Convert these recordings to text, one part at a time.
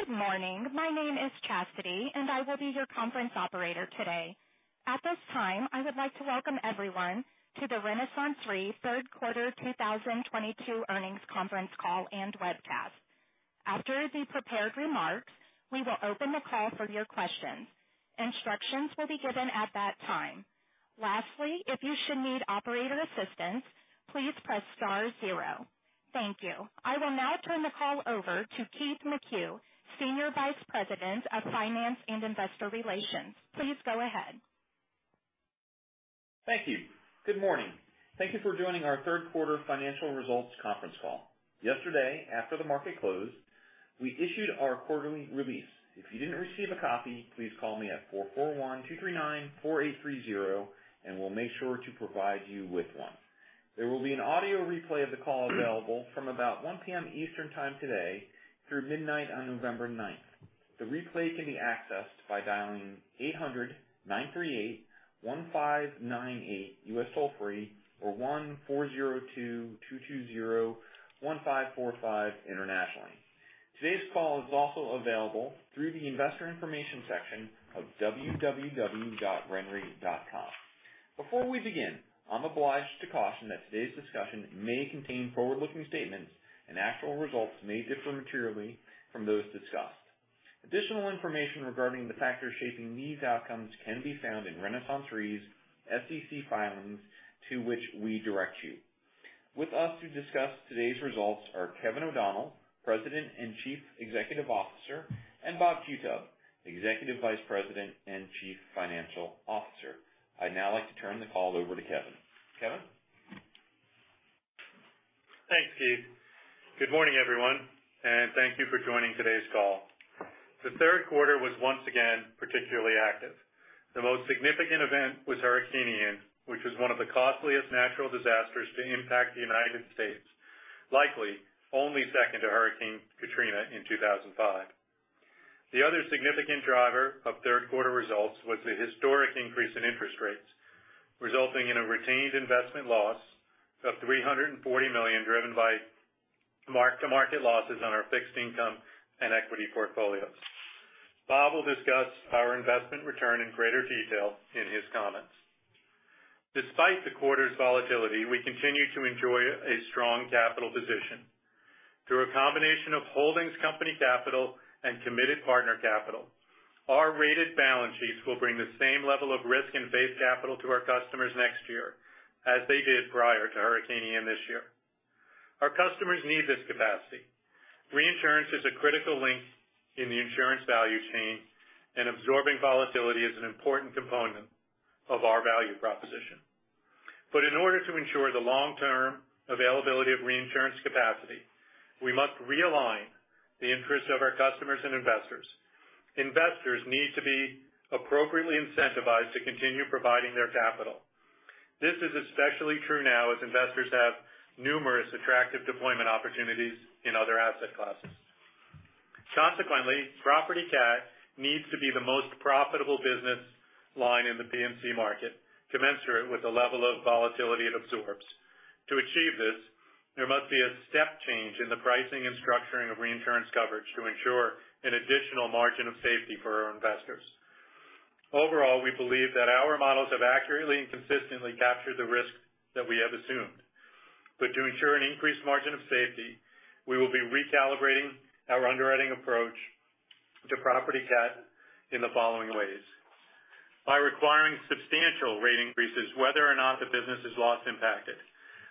Good morning. My name is Chastity, and I will be your conference operator today. At this time, I would like to welcome everyone to the RenaissanceRe third quarter 2022 earnings conference call and webcast. After the prepared remarks, we will open the call for your questions. Instructions will be given at that time. Lastly, if you should need operator assistance, please press star zero. Thank you. I will now turn the call over to Keith McCue, Senior Vice President of Finance and Investor Relations. Please go ahead. Thank you. Good morning. Thank you for joining our Third Quarter Financial Results Conference Call. Yesterday, after the market closed, we issued our quarterly release. If you didn't receive a copy, please call me at 441-239-4830 and we'll make sure to provide you with one. There will be an audio replay of the call available from about 1 P.M. Eastern time today through midnight on November ninth. The replay can be accessed by dialing 800-938-1598, U.S. toll-free, or 1-402-220-1545 internationally. Today's call is also available through the investor information section of www.renre.com. Before we begin, I'm obliged to caution that today's discussion may contain forward-looking statements and actual results may differ materially from those discussed. Additional information regarding the factors shaping these outcomes can be found in RenaissanceRe's SEC filings to which we direct you. With us to discuss today's results are Kevin O'Donnell, President and Chief Executive Officer, and Bob Qutub, Executive Vice President and Chief Financial Officer. I'd now like to turn the call over to Kevin. Kevin? Thanks, Keith. Good morning, everyone, and thank you for joining today's call. The third quarter was once again particularly active. The most significant event was Hurricane Ian, which was one of the costliest natural disasters to impact the United States, likely only second to Hurricane Katrina in 2005. The other significant driver of third quarter results was the historic increase in interest rates, resulting in a retained investment loss of $340 million, driven by mark-to-market losses on our fixed income and equity portfolios. Bob will discuss our investment return in greater detail in his comments. Despite the quarter's volatility, we continue to enjoy a strong capital position. Through a combination of holdings company capital and committed partner capital, our rated balance sheets will bring the same level of risk and base capital to our customers next year as they did prior to Hurricane Ian this year. Our customers need this capacity. Reinsurance is a critical link in the insurance value chain, and absorbing volatility is an important component of our value proposition. In order to ensure the long-term availability of reinsurance capacity, we must realign the interests of our customers and investors. Investors need to be appropriately incentivized to continue providing their capital. This is especially true now as investors have numerous attractive deployment opportunities in other asset classes. Consequently, property cat needs to be the most profitable business line in the P&C market, commensurate with the level of volatility it absorbs. To achieve this, there must be a step change in the pricing and structuring of reinsurance coverage to ensure an additional margin of safety for our investors. Overall, we believe that our models have accurately and consistently captured the risk that we have assumed. To ensure an increased margin of safety, we will be recalibrating our underwriting approach to property cat in the following ways. By requiring substantial rate increases, whether or not the business is loss impacted.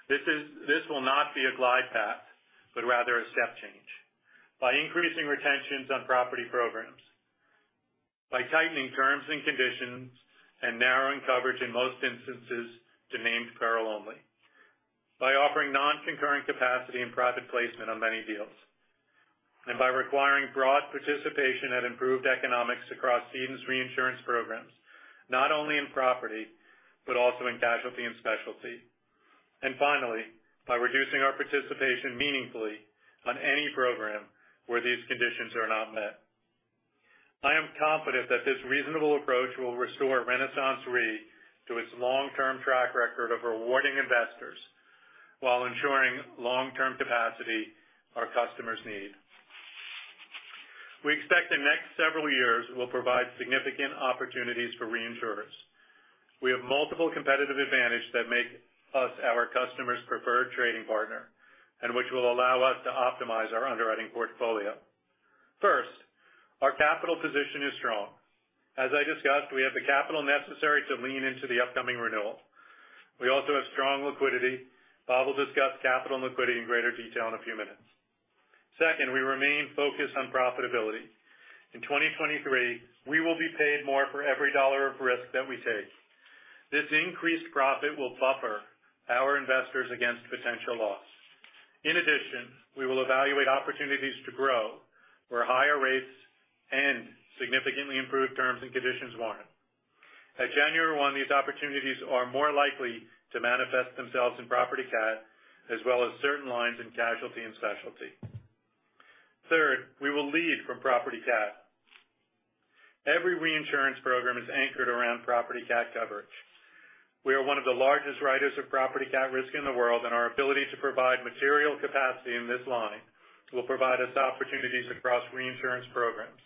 This will not be a glide path, but rather a step change. By increasing retentions on property programs. By tightening terms and conditions and narrowing coverage in most instances to named peril only. By offering non-concurrent capacity and private placement on many deals. By requiring broad participation and improved economics across cedants reinsurance programs, not only in property, but also in casualty and specialty. Finally, by reducing our participation meaningfully on any program where these conditions are not met. I am confident that this reasonable approach will restore RenaissanceRe to its long-term track record of rewarding investors while ensuring long-term capacity our customers need. We expect the next several years will provide significant opportunities for reinsurers. We have multiple competitive advantage that make us our customers' preferred trading partner and which will allow us to optimize our underwriting portfolio. First, our capital position is strong. As I discussed, we have the capital necessary to lean into the upcoming renewal. We also have strong liquidity. Bob will discuss capital and liquidity in greater detail in a few minutes. Second, we remain focused on profitability. In 2023, we will be paid more for every dollar of risk that we take. This increased profit will buffer our investors against potential loss. In addition, we will evaluate opportunities to grow where higher rates and significantly improved terms and conditions warrant. At January 1, these opportunities are more likely to manifest themselves in property cat as well as certain lines in casualty and specialty. Third, we will lead from property cat. Every reinsurance program is anchored around property cat coverage. We are one of the largest writers of property cat risk in the world, and our ability to provide material capacity in this line will provide us opportunities across reinsurance programs.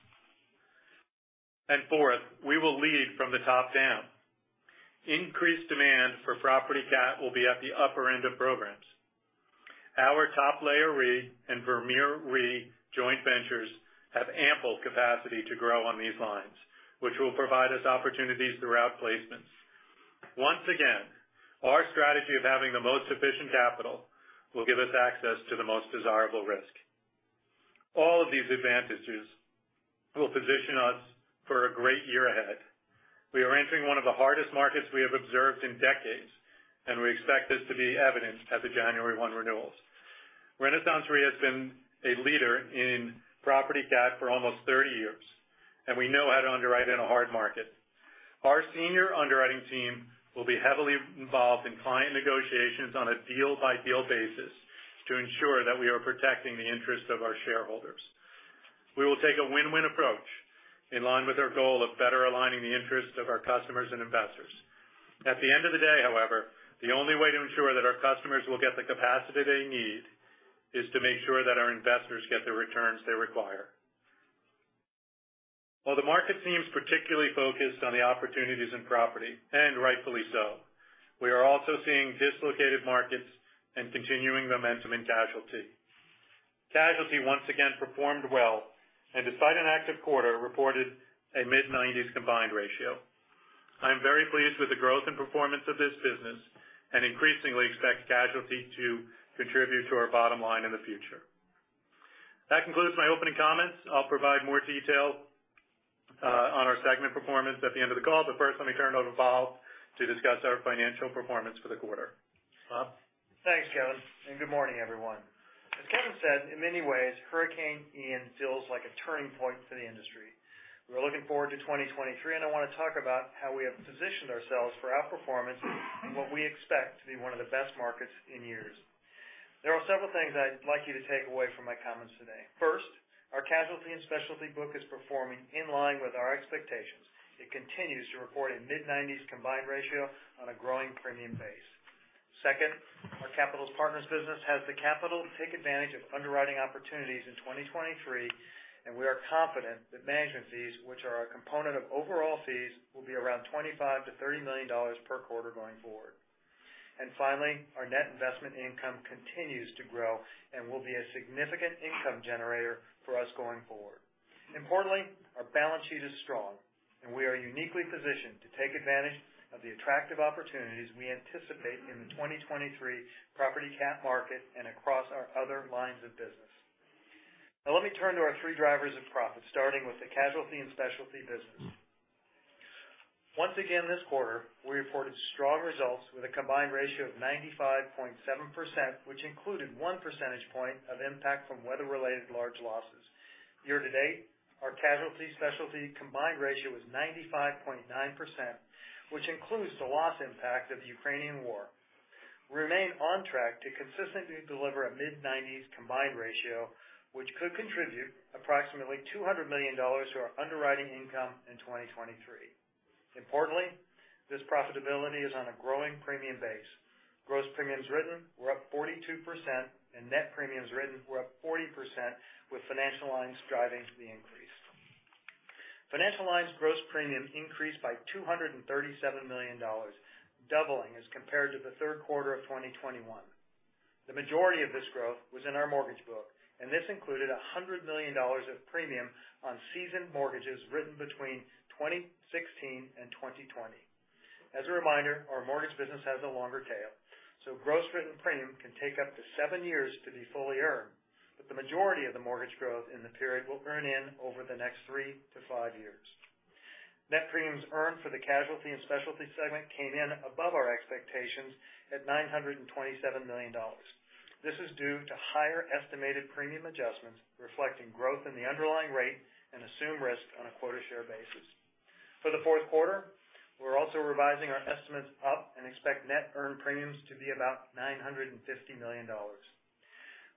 Fourth, we will lead from the top down. Increased demand for property cat will be at the upper end of programs. Our Top Layer Re and Vermeer Re joint ventures have ample capacity to grow on these lines, which will provide us opportunities throughout placements. Once again, our strategy of having the most efficient capital will give us access to the most desirable risk. All of these advantages will position us for a great year ahead. We are entering one of the hardest markets we have observed in decades, and we expect this to be evidenced at the January 1 renewals. RenaissanceRe has been a leader in property cat for almost 30 years, and we know how to underwrite in a hard market. Our senior underwriting team will be heavily involved in client negotiations on a deal-by-deal basis to ensure that we are protecting the interest of our shareholders. We will take a win-win approach in line with our goal of better aligning the interests of our customers and investors. At the end of the day, however, the only way to ensure that our customers will get the capacity they need is to make sure that our investors get the returns they require. While the market seems particularly focused on the opportunities in property, and rightfully so, we are also seeing dislocated markets and continuing momentum in casualty. Casualty once again performed well and despite an active quarter, reported a mid-90s combined ratio. I am very pleased with the growth and performance of this business and increasingly expect casualty to contribute to our bottom line in the future. That concludes my opening comments. I'll provide more detail on our segment performance at the end of the call. First, let me turn it over to Bob to discuss our financial performance for the quarter. Bob? Thanks, Kevin, and good morning, everyone. As Kevin said, in many ways, Hurricane Ian feels like a turning point for the industry. We're looking forward to 2023, and I wanna talk about how we have positioned ourselves for outperformance in what we expect to be one of the best markets in years. There are several things I'd like you to take away from my comments today. First, our casualty and specialty book is performing in line with our expectations. It continues to report a mid-90s combined ratio on a growing premium base. Second, our capital partners business has the capital to take advantage of underwriting opportunities in 2023, and we are confident that management fees, which are a component of overall fees, will be around $25 million-$30 million per quarter going forward. Finally, our Net Investment Income continues to grow and will be a significant income generator for us going forward. Importantly, our balance sheet is strong and we are uniquely positioned to take advantage of the attractive opportunities we anticipate in the 2023 property cat market and across our other lines of business. Now let me turn to our three drivers of profit, starting with the casualty and specialty business. Once again, this quarter, we reported strong results with a combined ratio of 95.7%, which included 1 percentage point of impact from weather-related large losses. Year to date, our casualty specialty combined ratio was 95.9%, which includes the loss impact of the Ukrainian war. We remain on track to consistently deliver a mid-nineties combined ratio, which could contribute approximately $200 million to our underwriting income in 2023. Importantly, this profitability is on a growing premium base. Gross premiums written were up 42% and Net Premiums written were up 40% with financial lines driving the increase. Financial lines gross premiums increased by $237 million, doubling as compared to the third quarter of 2021. The majority of this growth was in our mortgage book, and this included $100 million of premium on seasoned mortgages written between 2016 and 2020. As a reminder, our mortgage business has a longer tail, so gross written premium can take up to 7 years to be fully earned, but the majority of the mortgage growth in the period will earn in over the next 3-5 years. Net Premiums earned for the casualty and specialty segment came in above our expectations at $927 million. This is due to higher estimated premium adjustments, reflecting growth in the underlying rate and assumed risk on a quota share basis. For the fourth quarter, we're also revising our estimates up and expect net earned premiums to be about $950 million.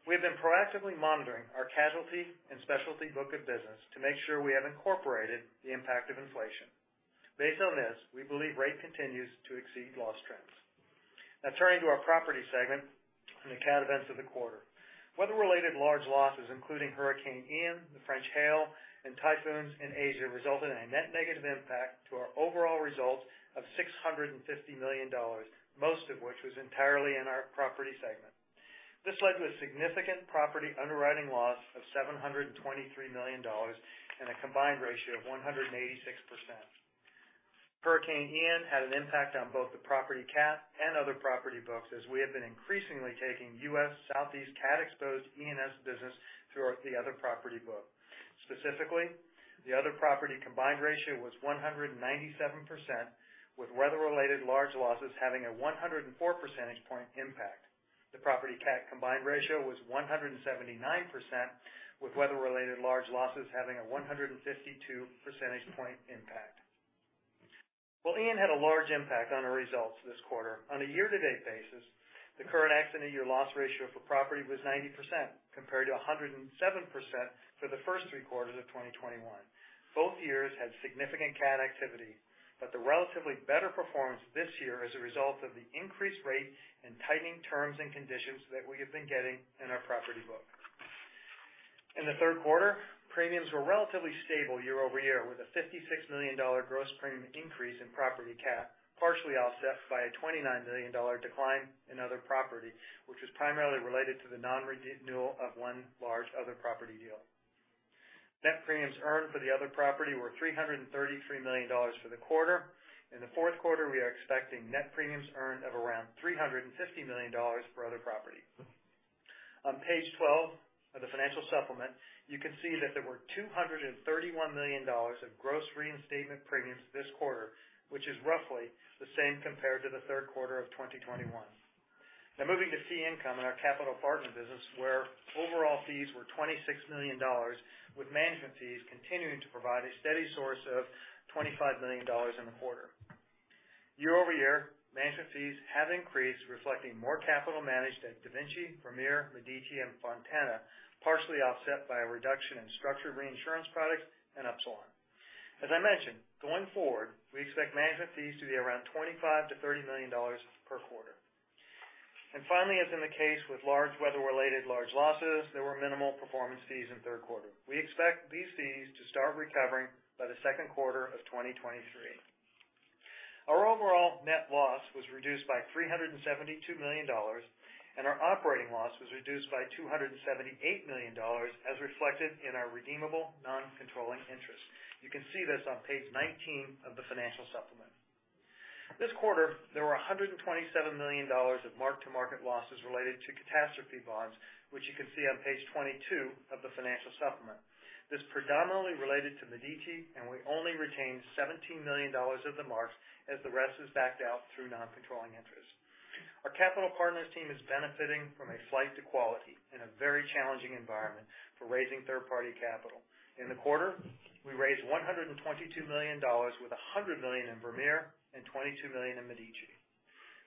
We have been proactively monitoring our casualty and specialty book of business to make sure we have incorporated the impact of inflation. Based on this, we believe rate continues to exceed loss trends. Now turning to our property segment and the cat events of the quarter. Weather-related large losses, including Hurricane Ian, the French hail, and typhoons in Asia, resulted in a net negative impact to our overall results of $650 million, most of which was entirely in our property segment. This led to a significant property underwriting loss of $723 million and a combined ratio of 186%. Hurricane Ian had an impact on both the property cat and other property books as we have been increasingly taking U.S. Southeast cat exposed E&S business through the other property book. Specifically, the other property combined ratio was 197%, with weather-related large losses having a 104 percentage point impact. The property cat combined ratio was 179%, with weather-related large losses having a 152 percentage point impact. Well, Ian had a large impact on our results this quarter. On a year-to-date basis, the current accident year loss ratio for property was 90%, compared to 107% for the first three quarters of 2021. Both years had significant cat activity, but the relatively better performance this year is a result of the increased rate and tightening terms and conditions that we have been getting in our property book. In the third quarter, premiums were relatively stable year-over-year, with a $56 million gross premium increase in property cat, partially offset by a $29 million decline in other property, which was primarily related to the non-renewal of one large other property deal. Net Premiums earned for the other property were $333 million for the quarter. In the fourth quarter, we are expecting Net Premiums earned of around $350 million for other property. On page 12 of the financial supplement, you can see that there were $231 million of gross reinstatement premiums this quarter, which is roughly the same compared to the third quarter of 2021. Now moving to fee income in our capital partners business, where overall fees were $26 million, with management fees continuing to provide a steady source of $25 million in the quarter. Year-over-year, management fees have increased, reflecting more capital managed at DaVinci, Vermeer, Medici, and Fontana, partially offset by a reduction in structured reinsurance products and Upsilon. As I mentioned, going forward, we expect management fees to be around $25-$30 million per quarter. Finally, as in the case with large weather-related large losses, there were minimal performance fees in the third quarter. We expect these fees to start recovering by the second quarter of 2023. Our overall net loss was reduced by $372 million, and our operating loss was reduced by $278 million, as reflected in our redeemable non-controlling interest. You can see this on page 19 of the financial supplement. This quarter, there were $127 million of mark-to-market losses related to catastrophe bonds, which you can see on page 22 of the financial supplement. This predominantly related to Medici, and we only retained $17 million of the marks as the rest is backed out through non-controlling interest. Our capital partners team is benefiting from a flight to quality in a very challenging environment for raising third-party capital. In the quarter, we raised $122 million with $100 million in Vermeer and $22 million in Medici.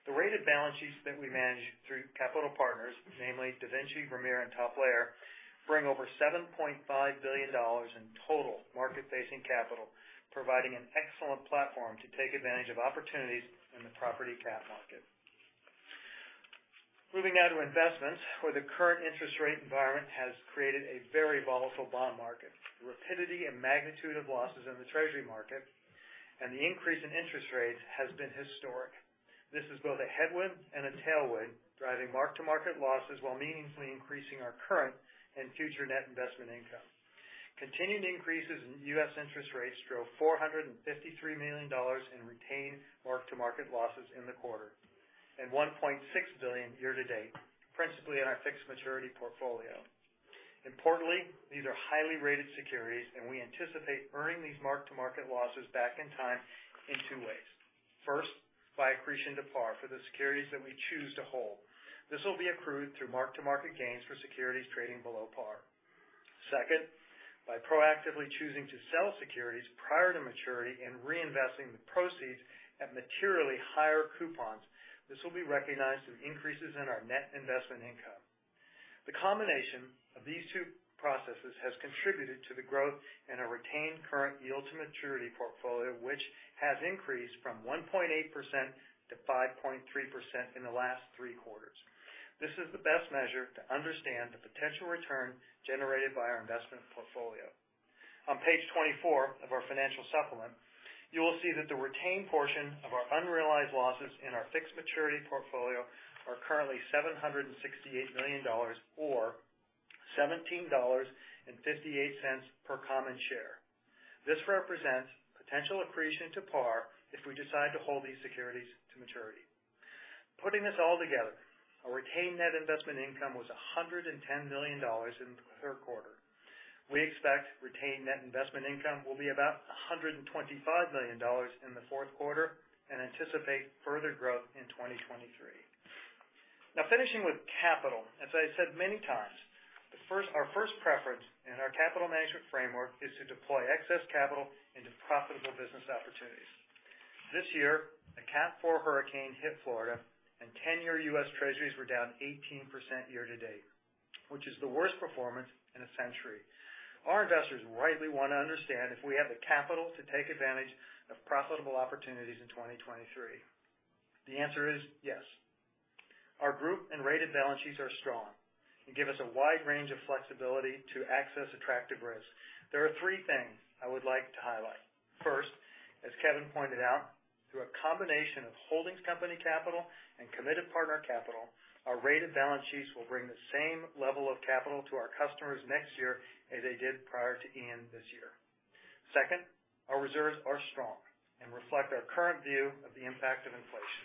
The rated balance sheets that we manage through capital partners, namely DaVinci, Vermeer and Top Layer, bring over $7.5 billion in total market-facing capital, providing an excellent platform to take advantage of opportunities in the property cat market. Moving now to investments, where the current interest rate environment has created a very volatile bond market. The rapidity and magnitude of losses in the Treasury market and the increase in interest rates has been historic. This is both a headwind and a tailwind, driving mark-to-market losses while meaningfully increasing our current and future Net Investment Income. Continued increases in U.S. interest rates drove $453 million in retained mark-to-market losses in the quarter and $1.6 billion year to date, principally in our fixed maturity portfolio. Importantly, these are highly rated securities, and we anticipate earning these mark-to-market losses back in time in two ways. First, by accretion to par for the securities that we choose to hold. This will be accrued through mark-to-market gains for securities trading below par. Second, by proactively choosing to sell securities prior to maturity and reinvesting the proceeds at materially higher coupons. This will be recognized through increases in our Net Investment Income. The combination of these two processes has contributed to the growth in our retained current yield to maturity portfolio, which has increased from 1.8% to 5.3% in the last three quarters. This is the best measure to understand the potential return generated by our investment portfolio. On page 24 of our financial supplement, you will see that the retained portion of our unrealized losses in our fixed maturity portfolio are currently $768 million or $17.58 per common share. This represents potential accretion to par if we decide to hold these securities to maturity. Putting this all together, our retained Net Investment Income was $110 million in the third quarter. We expect retained net investment income will be about $125 million in the fourth quarter and anticipate further growth in 2023. Now finishing with capital. As I said many times, our first preference in our capital management framework is to deploy excess capital into profitable business opportunities. This year, a Cat 4 Hurricane hit Florida and 10-year U.S. Treasuries were down 18% year to date, which is the worst performance in a century. Our investors rightly want to understand if we have the capital to take advantage of profitable opportunities in 2023. The answer is yes. Our group and rated balance sheets are strong and give us a wide range of flexibility to access attractive risk. There are three things I would like to highlight. First, as Kevin pointed out, through a combination of holdings company capital and committed partner capital, our rated balance sheets will bring the same level of capital to our customers next year as they did prior to Ian this year. Second, our reserves are strong and reflect our current view of the impact of inflation.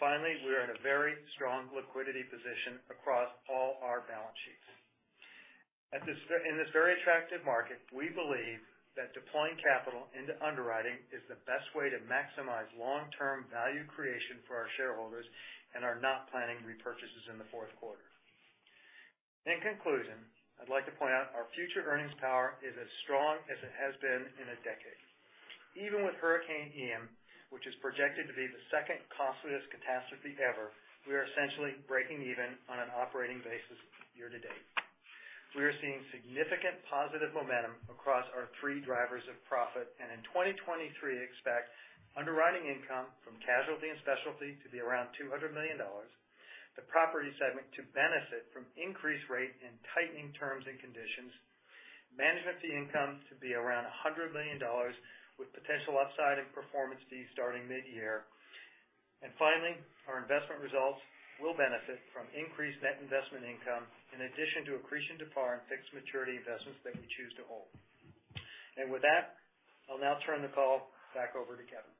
Finally, we are in a very strong liquidity position across all our balance sheets. In this very attractive market, we believe that deploying capital into underwriting is the best way to maximize long-term value creation for our shareholders and are not planning repurchases in the fourth quarter. In conclusion, I'd like to point out our future earnings power is as strong as it has been in a decade. Even with Hurricane Ian, which is projected to be the second costliest catastrophe ever, we are essentially breaking even on an operating basis year-to-date. We are seeing significant positive momentum across our three drivers of profit. In 2023, expect underwriting income from casualty and specialty to be around $200 million. The property segment to benefit from increased rate and tightening terms and conditions. Management fee income to be around $100 million, with potential upside in performance fees starting mid-year. Finally, our investment results will benefit from increased Net Investment Income in addition to accretion to par and fixed maturity investments that we choose to hold. With that, I'll now turn the call back over to Kevin.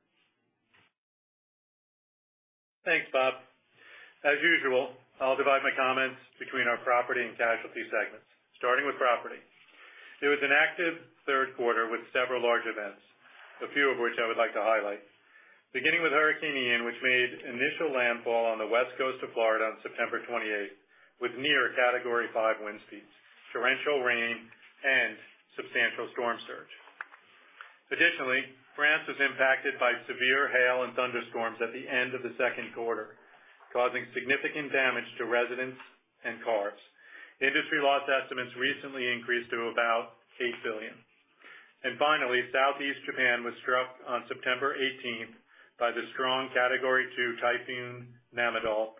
Thanks, Bob. As usual, I'll divide my comments between our property and casualty segments, starting with property. It was an active third quarter with several large events, a few of which I would like to highlight. Beginning with Hurricane Ian, which made initial landfall on the west coast of Florida on September 28, with near Category Five wind speeds, torrential rain, and substantial storm surge. Additionally, France was impacted by severe hail and thunderstorms at the end of the second quarter, causing significant damage to residents and cars. Industry loss estimates recently increased to about $8 billion. Finally, Southeast Japan was struck on September 18 by the strong Category Two Typhoon Nanmadol.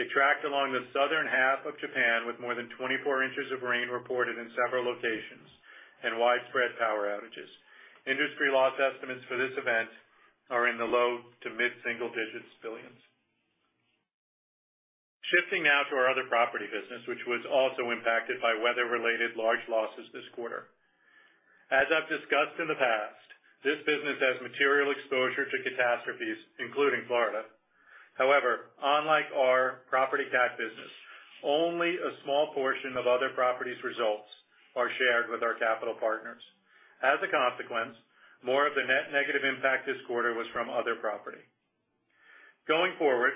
It tracked along the southern half of Japan with more than 24 inches of rain reported in several locations and widespread power outages. Industry loss estimates for this event are in the low to mid-single digits billions. Shifting now to our other property business, which was also impacted by weather-related large losses this quarter. As I've discussed in the past, this business has material exposure to catastrophes, including Florida. However, unlike our property cat business, only a small portion of other properties results are shared with our capital partners. As a consequence, more of the net negative impact this quarter was from other property. Going forward,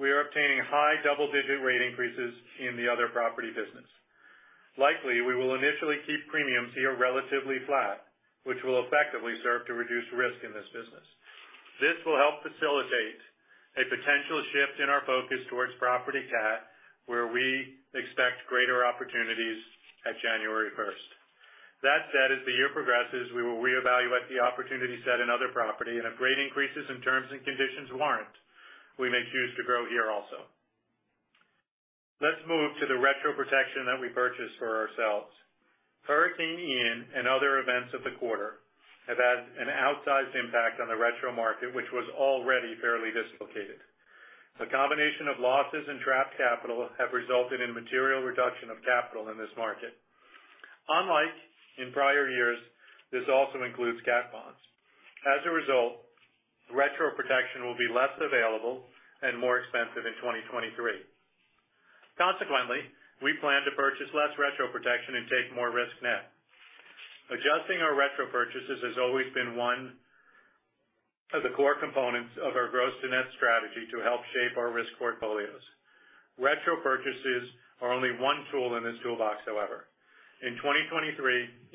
we are obtaining high double-digit rate increases in the other property business. Likely, we will initially keep premiums here relatively flat, which will effectively serve to reduce risk in this business. This will help facilitate a potential shift in our focus towards property cat, where we expect greater opportunities at January first. That said, as the year progresses, we will reevaluate the opportunity set in other property, and if rate increases in terms and conditions warrant, we may choose to grow here also. Let's move to the retro protection that we purchase for ourselves. Hurricane Ian and other events of the quarter have had an outsized impact on the retro market, which was already fairly dislocated. The combination of losses and trapped capital have resulted in material reduction of capital in this market. Unlike in prior years, this also includes cat bonds. As a result, retro protection will be less available and more expensive in 2023. Consequently, we plan to purchase less retro protection and take more risk net. Adjusting our retro purchases has always been one of the core components of our gross to net strategy to help shape our risk portfolios. Retro purchases are only one tool in this toolbox, however. In 2023,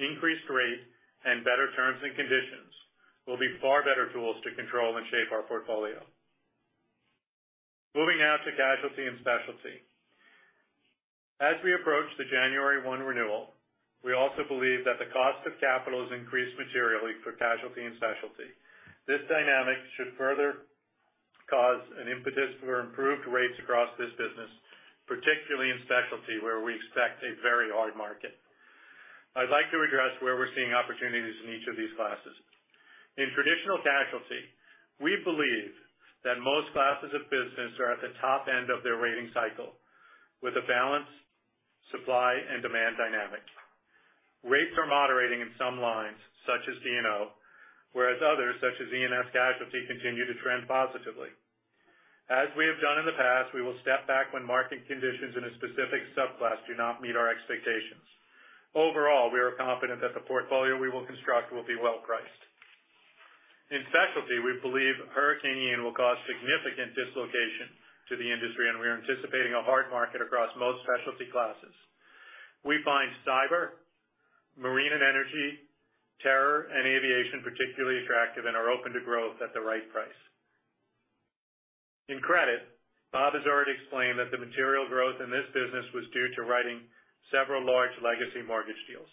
increased rate and better terms and conditions will be far better tools to control and shape our portfolio. Moving now to casualty and specialty. As we approach the January 1 renewal, we also believe that the cost of capital has increased materially for casualty and specialty. This dynamic should further cause an impetus for improved rates across this business, particularly in specialty, where we expect a very hard market. I'd like to address where we're seeing opportunities in each of these classes. In traditional casualty, we believe that most classes of business are at the top end of their rating cycle with a balanced supply and demand dynamic. Rates are moderating in some lines, such as D&O, whereas others, such as E&S casualty, continue to trend positively. As we have done in the past, we will step back when market conditions in a specific subclass do not meet our expectations. Overall, we are confident that the portfolio we will construct will be well priced. In specialty, we believe Hurricane Ian will cause significant dislocation to the industry, and we are anticipating a hard market across most specialty classes. We find cyber, marine and energy, terror, and aviation particularly attractive and are open to growth at the right price. In credit, Bob has already explained that the material growth in this business was due to writing several large legacy mortgage deals.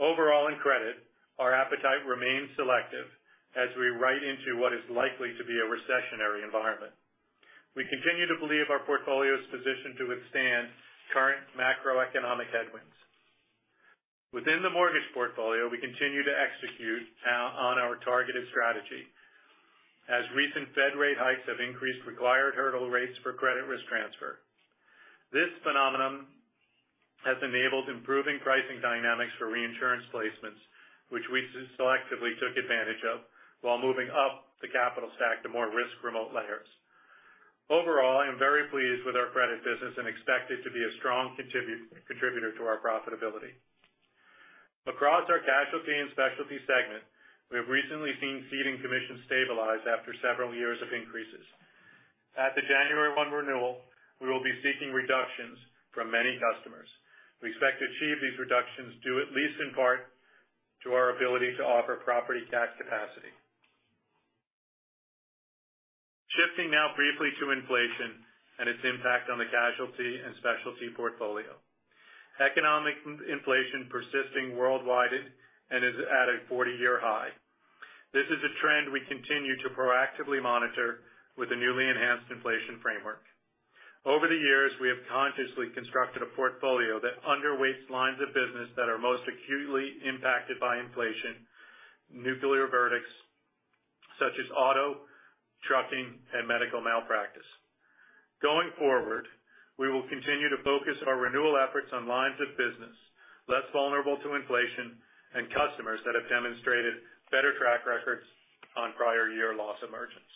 Overall, in credit, our appetite remains selective as we write into what is likely to be a recessionary environment. We continue to believe our portfolio is positioned to withstand current macroeconomic headwinds. Within the mortgage portfolio, we continue to execute now on our targeted strategy, as recent Fed rate hikes have increased required hurdle rates for credit risk transfer. This phenomenon has enabled improving pricing dynamics for reinsurance placements, which we selectively took advantage of while moving up the capital stack to more risk-remote layers. Overall, I am very pleased with our credit business and expect it to be a strong contributor to our profitability. Across our casualty and specialty segment, we have recently seen ceding commissions stabilize after several years of increases. At the January 1 renewal, we will be seeking reductions from many customers. We expect to achieve these reductions due at least in part to our ability to offer property cat capacity. Shifting now briefly to inflation and its impact on the casualty and specialty portfolio. Economic inflation persisting worldwide and is at a 40-year high. This is a trend we continue to proactively monitor with a newly enhanced inflation framework. Over the years, we have consciously constructed a portfolio that underweights lines of business that are most acutely impacted by inflation, nuclear verdicts such as auto, trucking, and medical malpractice. Going forward, we will continue to focus our renewal efforts on lines of business less vulnerable to inflation and customers that have demonstrated better track records on prior year loss emergence.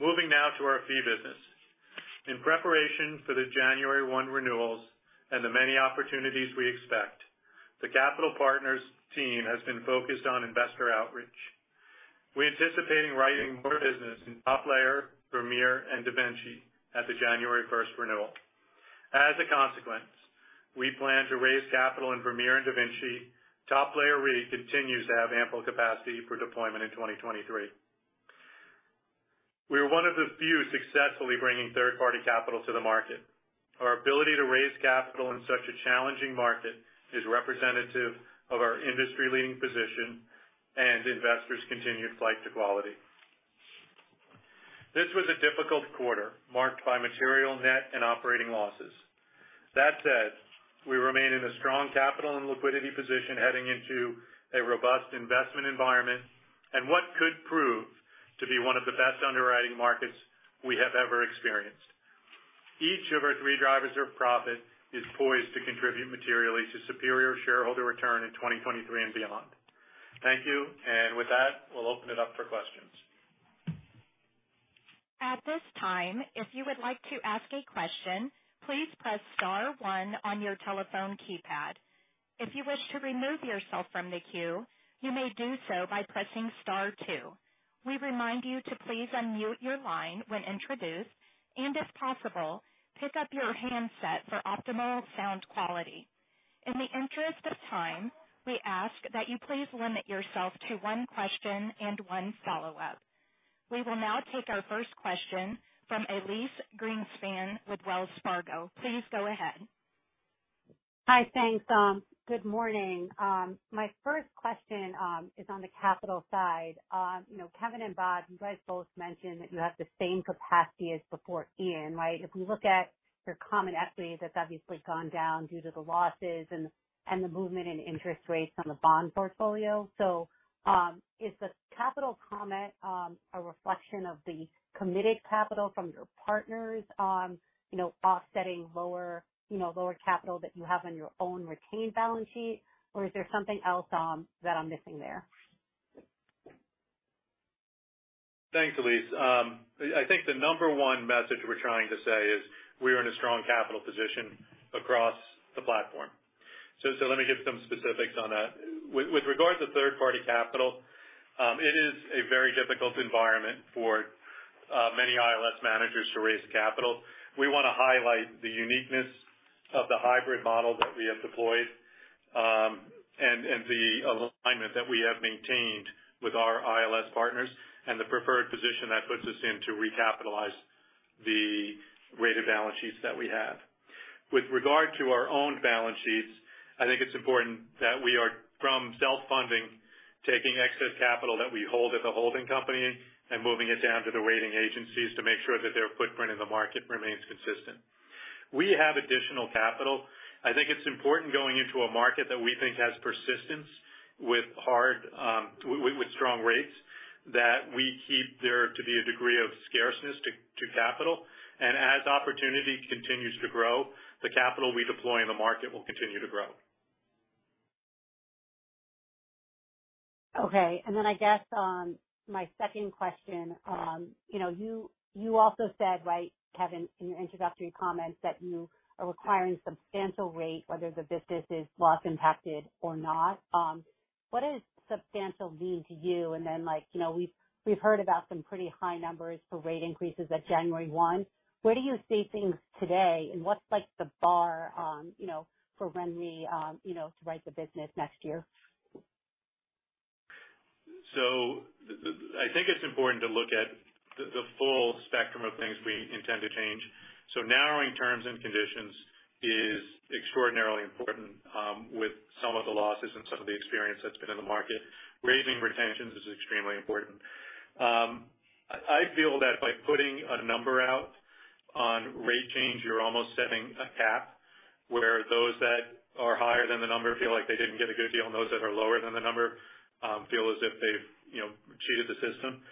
Moving now to our fee business. In preparation for the January 1 renewals and the many opportunities we expect, the Capital Partners team has been focused on investor outreach. We're anticipating writing more business in Top Layer Re, Vermeer, and DaVinci at the January 1 renewal. As a consequence, we plan to raise capital in Vermeer and DaVinci. Top Layer Re continues to have ample capacity for deployment in 2023. We are one of the few successfully bringing third-party capital to the market. Our ability to raise capital in such a challenging market is representative of our industry-leading position and investors' continued flight to quality. This was a difficult quarter marked by material net and operating losses. That said, we remain in a strong capital and liquidity position heading into a robust investment environment and what could prove to be one of the best underwriting markets we have ever experienced. Each of our three drivers of profit is poised to contribute materially to superior shareholder return in 2023 and beyond. Thank you. With that, we'll open it up for questions. At this time, if you would like to ask a question, please press star one on your telephone keypad. If you wish to remove yourself from the queue, you may do so by pressing star two. We remind you to please unmute your line when introduced, and if possible, pick up your handset for optimal sound quality. In the interest of time, we ask that you please limit yourself to one question and one follow-up. We will now take our first question from Elyse Greenspan with Wells Fargo. Please go ahead. Hi. Thanks. Good morning. My first question is on the capital side. You know, Kevin and Bob, you guys both mentioned that you have the same capacity as before Ian, right? If we look at your common equity, that's obviously gone down due to the losses and the movement in interest rates on the bond portfolio. Is the capital comment a reflection of the committed capital from your partners on, you know, offsetting lower, you know, lower capital that you have on your own retained balance sheet, or is there something else that I'm missing there? Thanks, Elyse. I think the number one message we're trying to say is we are in a strong capital position across the platform. Let me give some specifics on that. With regard to third-party capital, it is a very difficult environment for many ILS managers to raise capital. We wanna highlight the uniqueness of the hybrid model that we have deployed, and the alignment that we have maintained with our ILS partners and the preferred position that puts us in to recapitalize the rated balance sheets that we have. With regard to our own balance sheets, I think it's important that we are from self-funding, taking excess capital that we hold at the holding company and moving it down to the rating agencies to make sure that their footprint in the market remains consistent. We have additional capital. I think it's important going into a market that we think has persistence with hard with strong rates, that we keep there to be a degree of scarceness to capital. As opportunity continues to grow, the capital we deploy in the market will continue to grow. Okay. I guess my second question, you know, you also said, right, Kevin, in your introductory comments, that you are requiring substantial rate, whether the business is loss-impacted or not. What does substantial mean to you? Like, you know, we've heard about some pretty high numbers for rate increases at January one. Where do you see things today, and what's like the bar, you know, for when we to write the business next year? I think it's important to look at the full spectrum of things we intend to change. Narrowing terms and conditions is extraordinarily important with some of the losses and some of the experience that's been in the market. Raising retentions is extremely important. I feel that by putting a number out on rate change, you're almost setting a cap, where those that are higher than the number feel like they didn't get a good deal, and those that are lower than the number feel as if they've, you know, cheated the system.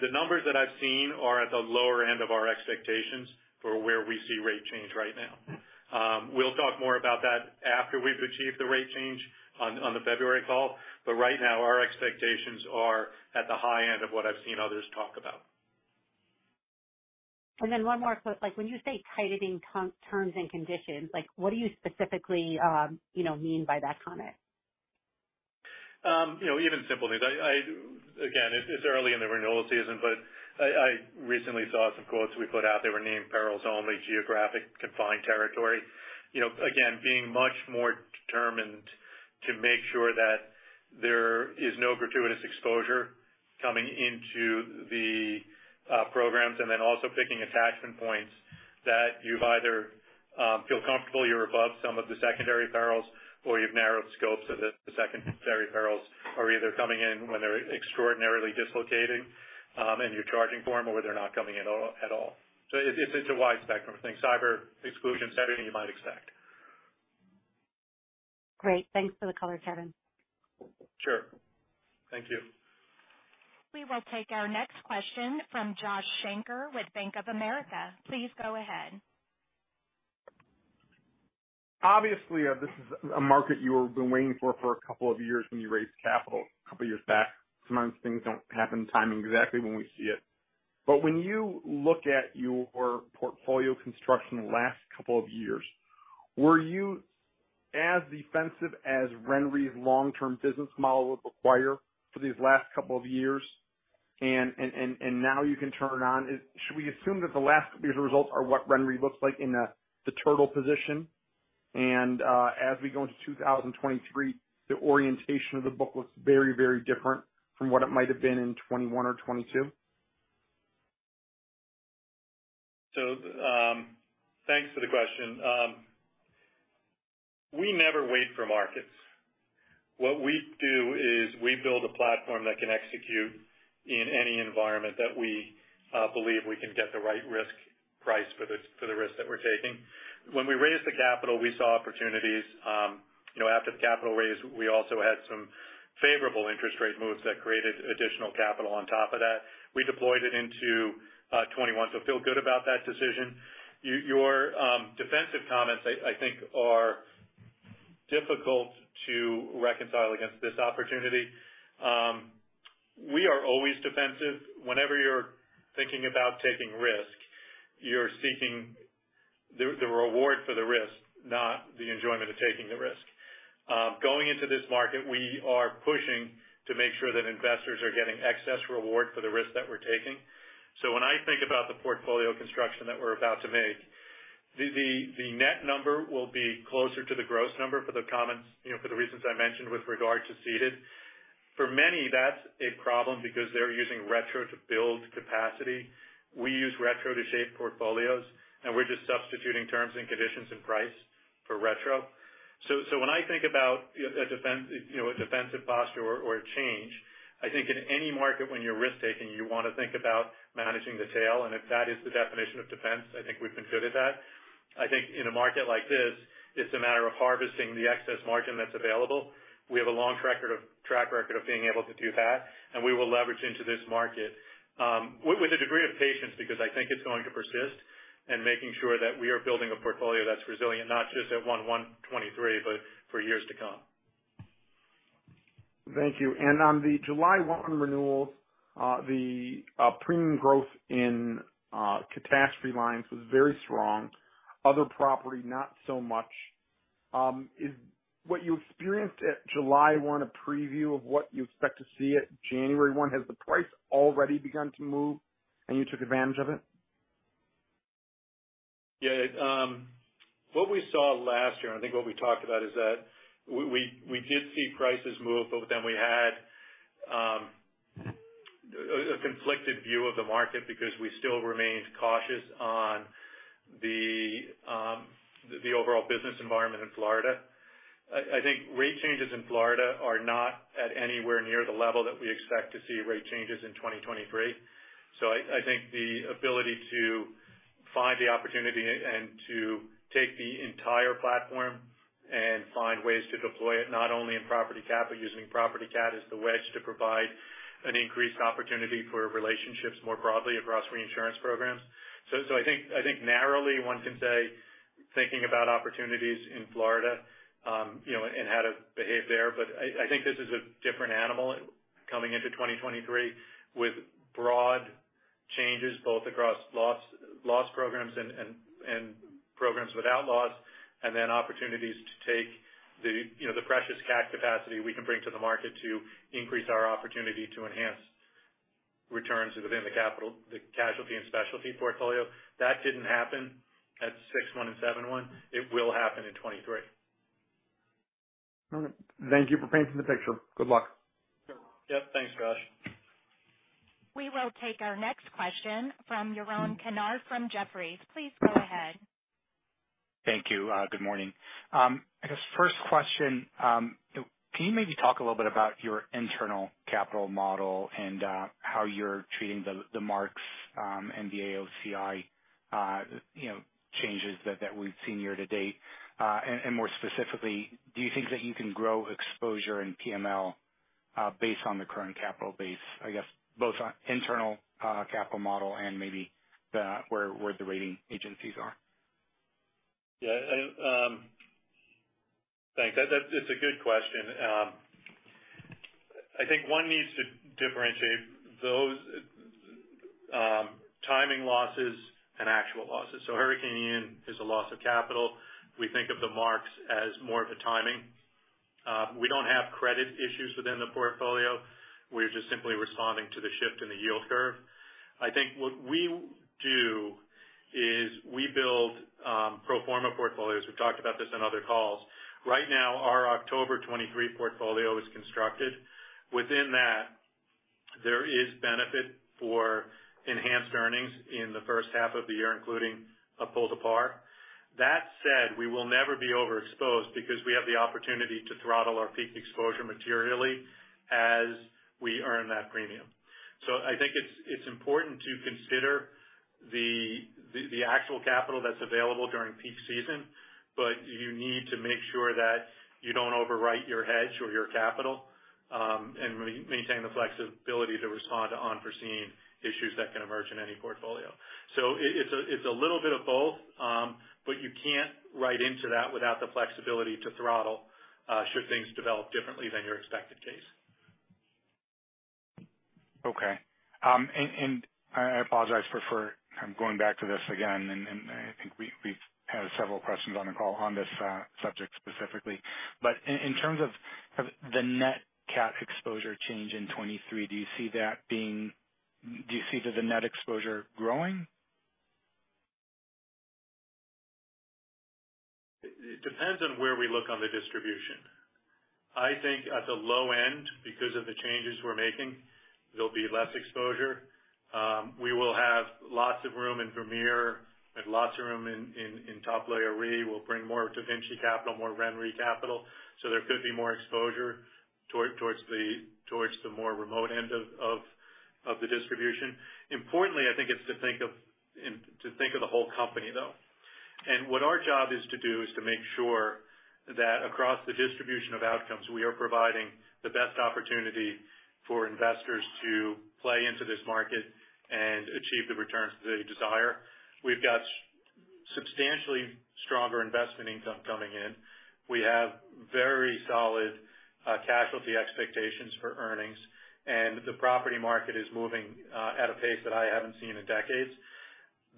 The numbers that I've seen are at the lower end of our expectations for where we see rate change right now. We'll talk more about that after we've achieved the rate change on the February call, but right now, our expectations are at the high end of what I've seen others talk about. One more quick. Like when you say tightening contract terms and conditions, like what do you specifically, you know, mean by that comment? You know, even simple things. Again, it's early in the renewal season, but I recently saw some quotes we put out. They were named perils-only geographically confined territory. You know, again, being much more determined to make sure that there is no gratuitous exposure coming into the programs, and then also picking attachment points that you either feel comfortable you're above some of the secondary perils or you've narrowed scopes of the secondary perils are either coming in when they're extraordinarily dislocating, and you're charging for them or they're not coming in at all. So it's a wide spectrum of things. Cyber exclusion, everything you might expect. Great. Thanks for the color, Kevin. Sure. Thank you. We will take our next question from Josh Shanker with Bank of America. Please go ahead. Obviously, this is a market you've been waiting for for a couple of years when you raised capital a couple years back. Sometimes things don't happen timing exactly when we see it. When you look at your portfolio construction the last couple of years, were you as defensive as RenRe's long-term business model would require for these last couple of years and now you can turn it on? Should we assume that the last year's results are what RenRe looks like in the turtle position, and as we go into 2023, the orientation of the book looks very, very different from what it might've been in 2021 or 2022? Thanks for the question. We never wait for markets. What we do is we build a platform that can execute in any environment that we believe we can get the right risk price for the risk that we're taking. When we raised the capital, we saw opportunities. You know, after the capital raise, we also had some favorable interest rate moves that created additional capital on top of that. We deployed it into 2021, so feel good about that decision. Your defensive comments I think are difficult to reconcile against this opportunity. We are always defensive. Whenever you're thinking about taking risk, you're seeking the reward for the risk, not the enjoyment of taking the risk. Going into this market, we are pushing to make sure that investors are getting excess reward for the risk that we're taking. When I think about the portfolio construction that we're about to make, the net number will be closer to the gross number for the comments, you know, for the reasons I mentioned with regard to ceded. For many, that's a problem because they're using retro to build capacity. We use retro to shape portfolios, and we're just substituting terms and conditions and price for retro. When I think about a defensive posture or a change, I think in any market, when you're risk-taking, you wanna think about managing the tail. If that is the definition of defense, I think we've been good at that. I think in a market like this, it's a matter of harvesting the excess margin that's available. We have a long track record of being able to do that, and we will leverage into this market, with a degree of patience, because I think it's going to persist in making sure that we are building a portfolio that's resilient, not just at 1-in-123, but for years to come. Thank you. On the July 1 renewals, the premium growth in catastrophe lines was very strong. Other property, not so much. Is what you experienced at July 1 a preview of what you expect to see at January 1? Has the price already begun to move and you took advantage of it? Yeah. What we saw last year, and I think what we talked about is that we did see prices move, but then we had a conflicted view of the market because we still remained cautious on the overall business environment in Florida. I think rate changes in Florida are not at anywhere near the level that we expect to see rate changes in 2023. I think the ability to find the opportunity and to take the entire platform and find ways to deploy it, not only in property cat, but using property cat as the wedge to provide an increased opportunity for relationships more broadly across reinsurance programs. I think narrowly, one can say, thinking about opportunities in Florida, you know, and how to behave there. I think this is a different animal coming into 2023 with broad changes both across loss programs and programs without loss, and then opportunities to take the, you know, the priced cat capacity we can bring to the market to increase our opportunity to enhance returns within the capital, the casualty and specialty portfolio. That didn't happen at 6/1 and 7/1. It will happen in 2023. All right. Thank you for painting the picture. Good luck. Yep. Thanks, Josh. We will take our next question from Yaron Kinar from Jefferies. Please go ahead. Thank you. Good morning. I guess first question, can you maybe talk a little bit about your internal capital model and how you're treating the marks and the AOCI, you know, changes that we've seen year to date? More specifically, do you think that you can grow exposure in PML based on the current capital base, I guess both on internal capital model and maybe where the rating agencies are? Yeah. Thanks. That's a good question. I think one needs to differentiate those timing losses and actual losses. Hurricane Ian is a loss of capital. We think of the marks as more of a timing. We don't have credit issues within the portfolio. We're just simply responding to the shift in the yield curve. I think what we do is we build pro forma portfolios. We've talked about this on other calls. Right now, our October 2023 portfolio is constructed. Within that, there is benefit for enhanced earnings in the first half of the year, including a pull to par. That said, we will never be overexposed because we have the opportunity to throttle our peak exposure materially as we earn that premium. I think it's important to consider the actual capital that's available during peak season, but you need to make sure that you don't overwrite your hedge or your capital, and maintain the flexibility to respond to unforeseen issues that can emerge in any portfolio. It's a little bit of both, but you can't write into that without the flexibility to throttle should things develop differently than your expected case. I apologize for going back to this again, and I think we've had several questions on the call on this subject specifically. In terms of the Net Cat exposure change in 2023, do you see the net exposure growing? It depends on where we look on the distribution. I think at the low end, because of the changes we're making, there'll be less exposure. We will have lots of room in Vermeer and lots of room in Top Layer Re. We'll bring more DaVinci capital, more RenRe capital, so there could be more exposure towards the more remote end of the distribution. Importantly, I think it's important to think of the whole company, though. What our job is to do is to make sure that across the distribution of outcomes, we are providing the best opportunity for investors to play into this market and achieve the returns they desire. We've got substantially stronger investment income coming in. We have very solid casualty expectations for earnings, and the property market is moving at a pace that I haven't seen in decades.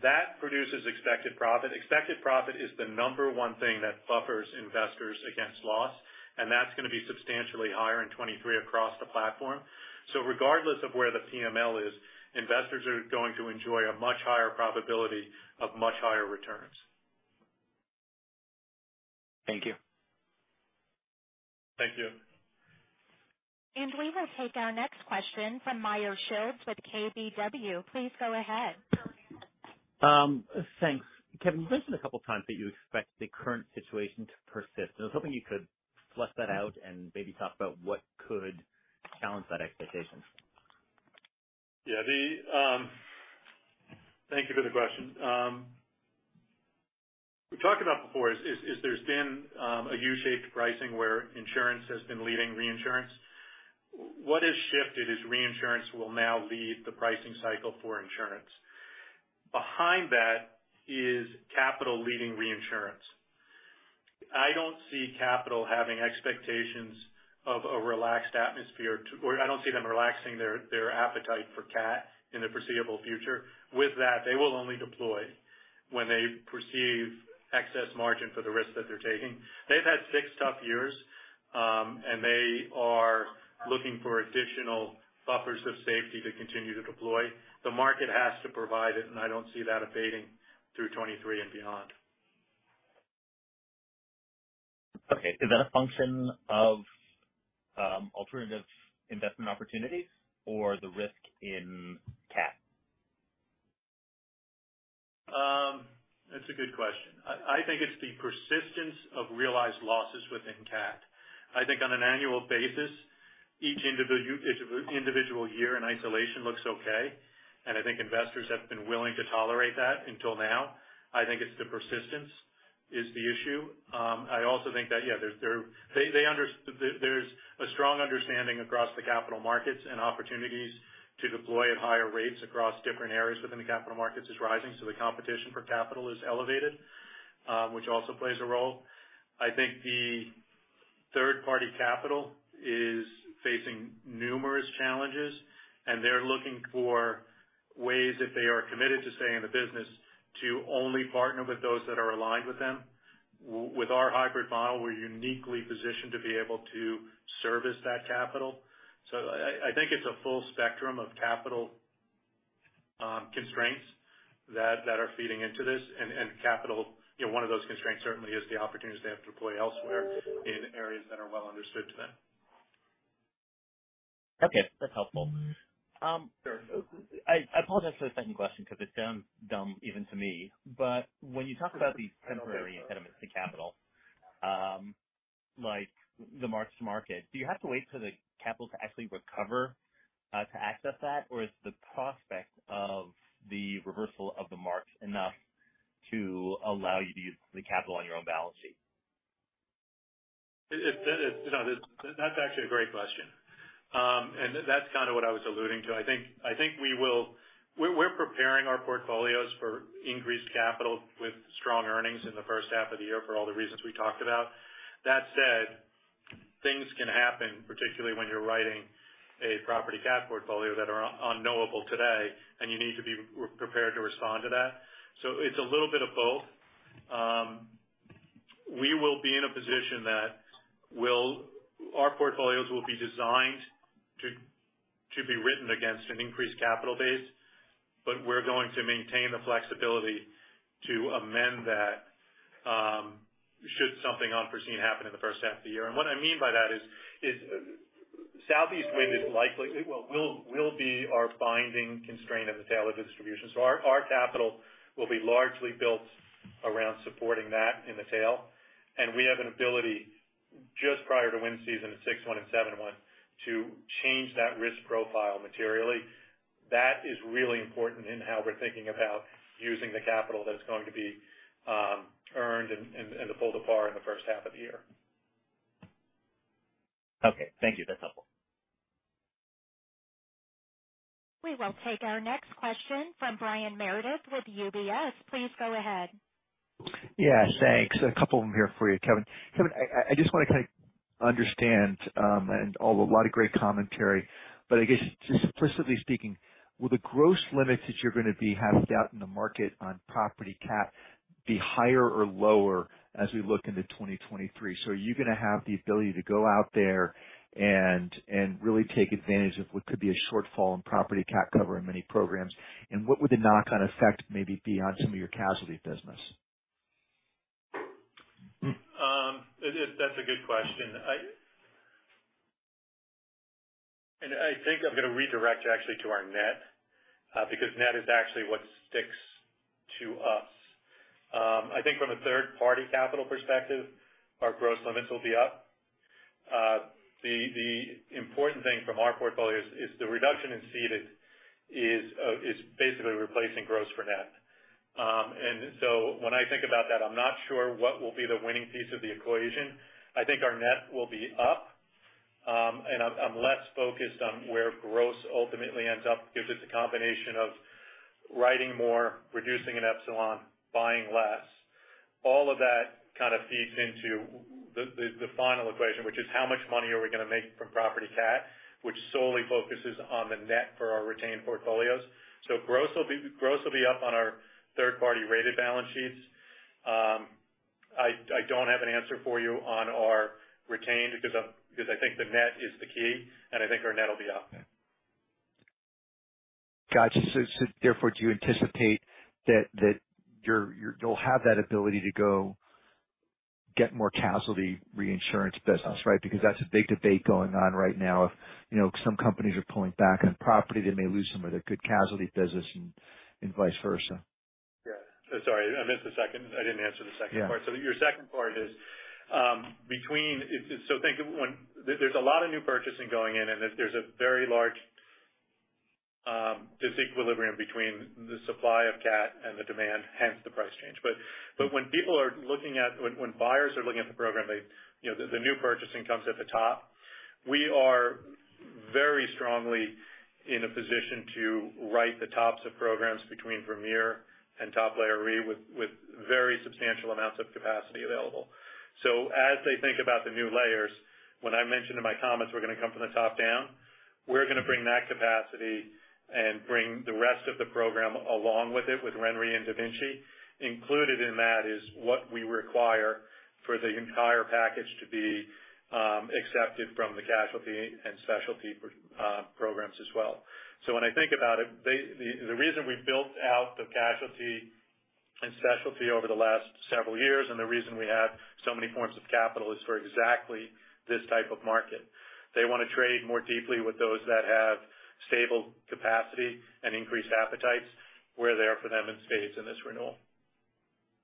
That produces expected profit. Expected profit is the number one thing that buffers investors against loss, and that's gonna be substantially higher in 2023 across the platform. Regardless of where the PML is, investors are going to enjoy a much higher probability of much higher returns. Thank you. Thank you. We will take our next question from Meyer Shields with KBW. Please go ahead. Thanks. Kevin, you've mentioned a couple of times that you expect the current situation to persist. I was hoping you could flesh that out and maybe talk about what could challenge that expectation. Thank you for the question. What we talked about before is there's been a U-shaped pricing where insurance has been leading reinsurance. What has shifted is reinsurance will now lead the pricing cycle for insurance. Behind that is capital leading reinsurance. I don't see capital having expectations of a relaxed atmosphere or I don't see them relaxing their appetite for CAT in the foreseeable future. With that, they will only deploy when they perceive excess margin for the risk that they're taking. They've had six tough years, and they are looking for additional buffers of safety to continue to deploy. The market has to provide it, and I don't see that abating through 2023 and beyond. Okay. Is that a function of alternative investment opportunities or the risk in CAT? That's a good question. I think it's the persistence of realized losses within CAT. I think on an annual basis, each individual year in isolation looks okay, and I think investors have been willing to tolerate that until now. I think it's the persistence is the issue. I also think that there's a strong understanding across the capital markets and opportunities to deploy at higher rates across different areas within the capital markets is rising. The competition for capital is elevated, which also plays a role. I think the third-party capital is facing numerous challenges, and they're looking for ways, if they are committed to staying in the business, to only partner with those that are aligned with them. With our hybrid model, we're uniquely positioned to be able to service that capital. I think it's a full spectrum of capital constraints that are feeding into this. And capital, you know, one of those constraints certainly is the opportunities they have to deploy elsewhere in areas that are well understood to them. Okay. That's helpful. I apologize for the second question because it sounds dumb even to me, but when you talk about these temporary impediments to capital, like the marks to market, do you have to wait for the capital to actually recover, to access that? Or is the prospect of the reversal of the marks enough to allow you to use the capital on your own balance sheet? No. That's actually a great question. That's kind of what I was alluding to. I think we're preparing our portfolios for increased capital with strong earnings in the first half of the year for all the reasons we talked about. That said, things can happen, particularly when you're writing a property cat portfolio that are unknowable today, and you need to be prepared to respond to that. It's a little bit of both. We will be in a position that our portfolios will be designed to be written against an increased capital base, but we're going to maintain the flexibility to amend that, should something unforeseen happen in the first half of the year. What I mean by that is southeast wind is likely. It will be our binding constraint in the tail of the distribution. Our capital will be largely built around supporting that in the tail. We have an ability just prior to wind season June 1 and July 1 to change that risk profile materially. That is really important in how we're thinking about using the capital that is going to be earned in the full year in the first half of the year. Okay. Thank you. That's helpful. We will take our next question from Brian Meredith with UBS. Please go ahead. Yeah, thanks. A couple of them here for you, Kevin. Kevin, I just wanna kind of understand, and a lot of great commentary. I guess just specifically speaking, will the gross limits that you're gonna be having out in the market on property cat be higher or lower as we look into 2023? Are you gonna have the ability to go out there and really take advantage of what could be a shortfall in property cat cover in many programs? What would the knock-on effect maybe be on some of your casualty business? That's a good question. I think I'm gonna redirect you actually to our net, because net is actually what sticks to us. I think from a third-party capital perspective, our gross limits will be up. The important thing from our portfolio is the reduction in ceded is basically replacing gross for net. When I think about that, I'm not sure what will be the winning piece of the equation. I think our net will be up, and I'm less focused on where gross ultimately ends up because it's a combination of writing more, reducing in cession, buying less. All of that kind of feeds into the final equation, which is how much money are we gonna make from property cat, which solely focuses on the net for our retained portfolios. Gross will be up on our third-party rated balance sheets. I don't have an answer for you on our retained because I think the net is the key, and I think our net will be up. Got you. Therefore, do you anticipate that you'll have that ability to go get more casualty reinsurance business, right? Because that's a big debate going on right now. If you know, some companies are pulling back on property, they may lose some of their good casualty business and vice versa. Yeah. Sorry, I missed the second. I didn't answer the second part. Yeah. Your second part is. There's a lot of new purchasing going in, and there's a very large disequilibrium between the supply of cat and the demand, hence the price change. But when buyers are looking at the program, they, you know, the new purchasing comes at the top. We are very strongly in a position to write the tops of programs between Vermeer and Top Layer Re with very substantial amounts of capacity available. As they think about the new layers, when I mentioned in my comments we're gonna come from the top down, we're gonna bring that capacity and bring the rest of the program along with it, with RenRe and DaVinci. Included in that is what we require for the entire package to be accepted from the casualty and specialty programs as well. When I think about it, the reason we built out the casualty and specialty over the last several years and the reason we have so many forms of capital is for exactly this type of market. They wanna trade more deeply with those that have stable capacity and increased appetites. We're there for them in spades in this renewal.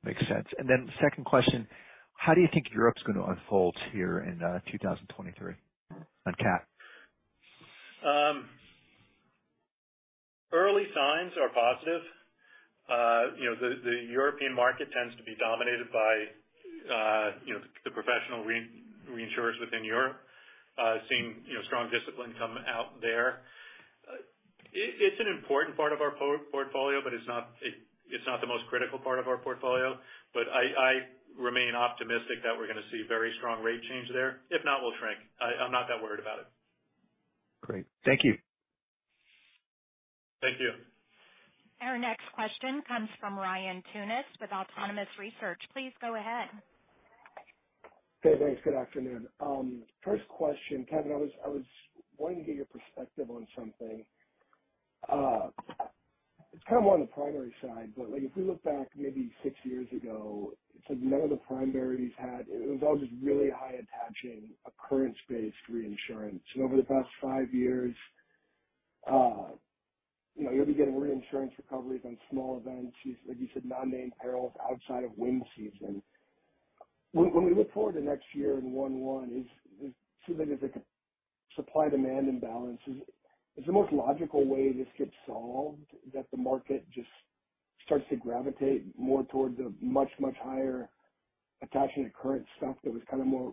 Makes sense and then second question, how do you think Europe's gonna unfold here in 2023 on cat? Early signs are positive. You know, the European market tends to be dominated by you know, the professional reinsurers within Europe. Seeing you know, strong discipline come out there. It's an important part of our portfolio, but it's not the most critical part of our portfolio. I remain optimistic that we're gonna see very strong rate change there. If not, we'll shrink. I'm not that worried about it. Great. Thank you. Thank you. Our next question comes from Ryan Tunis with Autonomous Research. Please go ahead. Okay, thanks. Good afternoon. First question, Kevin, I was wanting to get your perspective on something. It's kind of on the primary side, but, like, if we look back maybe six years ago, none of the primaries had; it was all just really high attaching occurrence-based reinsurance. Over the past five years, you know, you'll be getting reinsurance recoveries on small events, like you said, non-named perils outside of wind season. When we look forward to next year in 2021, is... So like, if the supply-demand imbalance is the most logical way this gets solved, that the market just starts to gravitate more towards a much, much higher attachment occurrence stuff that was kind of more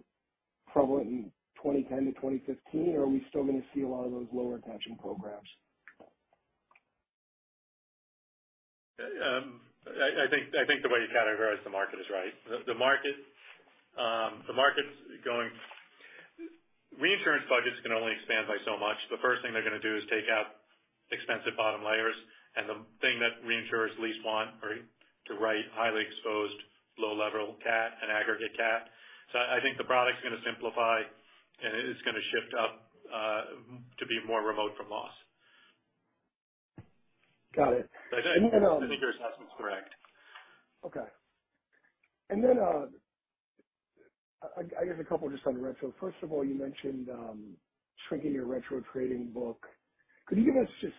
prevalent in 2010 to 2015? Or are we still gonna see a lot of those lower attachment programs? I think the way you characterize the market is right. Reinsurance budgets can only expand by so much. The first thing they're gonna do is take out expensive bottom layers. The thing that reinsurers least want are to write highly exposed low-level cat and aggregate cat. I think the product's gonna simplify, and it is gonna shift up to be more remote from loss. Got it. I think your assessment's correct. Okay. I guess a couple just on retro. First of all, you mentioned shrinking your retro trading book. Could you give us just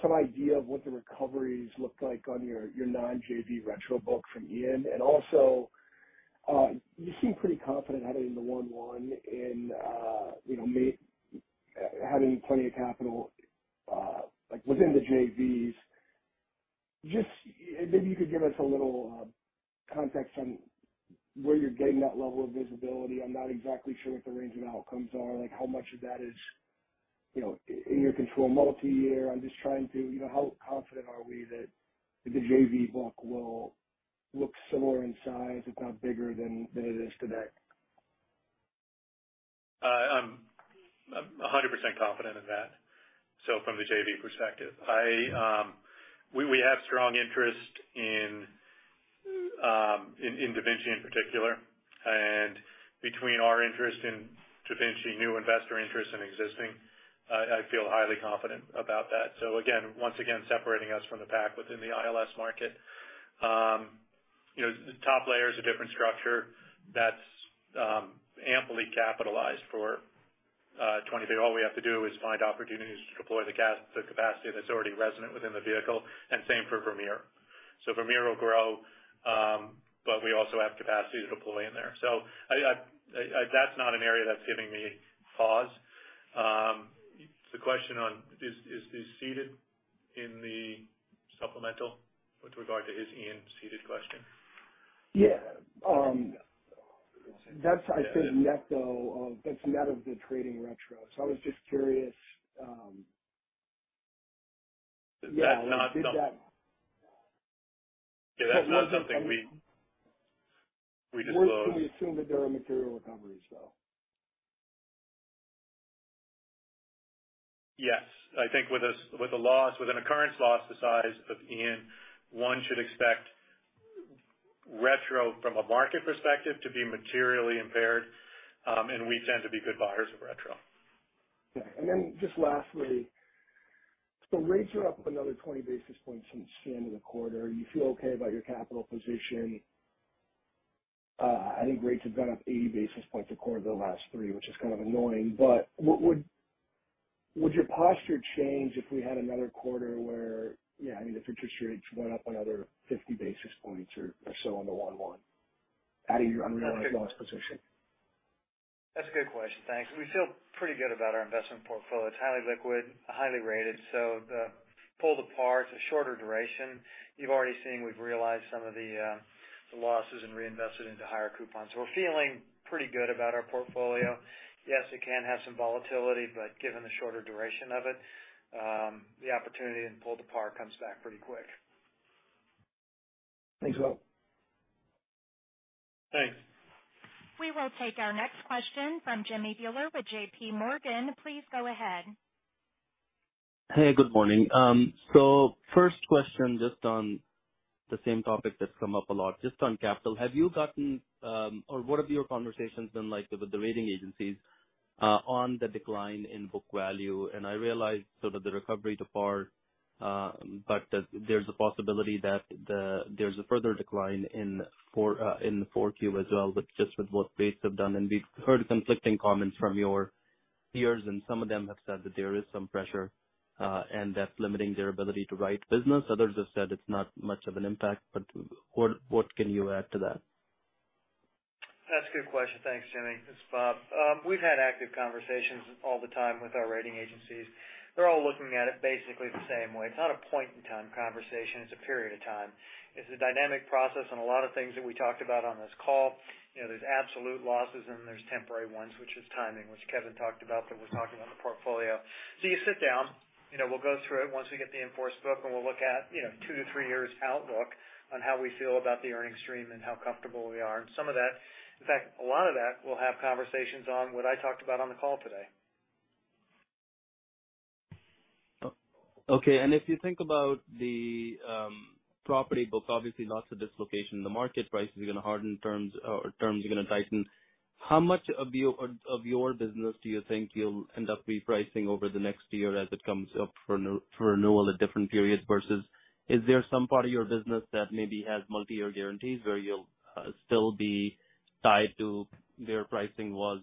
some idea of what the recoveries look like on your non-JV retro book from Ian? Also, you seem pretty confident having the one-one in, you know, having plenty of capital, like within the JVs. Just maybe you could give us a little context on where you're getting that level of visibility. I'm not exactly sure what the range of outcomes are. Like how much of that is, you know, in your control multiyear? I'm just trying to. You know, how confident are we that the JV book will look similar in size, if not bigger than it is today? I'm 100% confident in that from the JV perspective. We have strong interest in DaVinci in particular. Between our interest in DaVinci, new investor interest in existing, I feel highly confident about that. Again, once again, separating us from the pack within the ILS market. You know, the top layer is a different structure that's amply capitalized for 2023. All we have to do is find opportunities to deploy the capacity that's already resident within the vehicle, and same for Vermeer. Vermeer will grow, but we also have capacity to deploy in there. That's not an area that's giving me pause. The question on is ceded in the supplemental with regard to his Ian ceded question? Yeah, that's net of the trading retro. I was just curious, yeah, I think that. Yeah, that's not something we disclose. Can we assume that there are material recoveries, though? Yes. I think with the loss, with an occurrence loss the size of Ian, one should expect retro from a market perspective to be materially impaired, and we tend to be good buyers of retro. Just lastly, rates are up another 20 basis points since the end of the quarter. You feel okay about your capital position. I think rates have gone up 80 basis points a quarter the last three, which is kind of annoying. Would your posture change if we had another quarter where, you know, I mean, the interest rates went up another 50 basis points or so on the 10 year out of your unrealized loss position? That's a good question. Thanks. We feel pretty good about our investment portfolio. It's highly liquid, highly rated, so the pull-to-par is a shorter duration. You've already seen we've realized some of the losses and reinvested into higher coupons. We're feeling pretty good about our portfolio. Yes, it can have some volatility, but given the shorter duration of it, the opportunity in pull-to-par comes back pretty quick. Thanks, Bob. Thanks. We will take our next question from Jimmy Bhullar with J.P. Morgan. Please go ahead. Hey, good morning. So first question, just on the same topic that's come up a lot, just on capital. Have you gotten, or what have your conversations been like with the rating agencies, on the decline in book value? I realize sort of the recovery to par, but that there's a possibility that there's a further decline in 4Q as well, but just with what rates have done. We've heard conflicting comments from your peers, and some of them have said that there is some pressure, and that's limiting their ability to write business. Others have said it's not much of an impact. What can you add to that? That's a good question. Thanks, Jimmy. It's Bob. We've had active conversations all the time with our rating agencies. They're all looking at it basically the same way. It's not a point-in-time conversation. It's a period of time. It's a dynamic process, and a lot of things that we talked about on this call, you know, there's absolute losses and there's temporary ones, which is timing, which Kevin talked about when we're talking about the portfolio. So you sit down, you know, we'll go through it once we get the in-force book, and we'll look at, you know, two to three years outlook on how we feel about the earnings stream and how comfortable we are. Some of that, in fact, a lot of that, we'll have conversations on what I talked about on the call today. Okay. If you think about the property book, obviously lots of dislocation. The market price is gonna harden terms, or terms are gonna tighten. How much of your business do you think you'll end up repricing over the next year as it comes up for renewal at different periods versus is there some part of your business that maybe has multi-year guarantees where you'll still be tied to their pricing was